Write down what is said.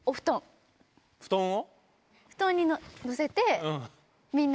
布団を？